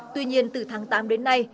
tuy nhiên từ tháng tám đến nay